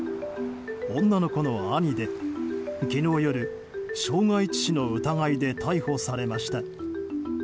女の子の兄で、昨日夜傷害致死の疑いで逮捕されました。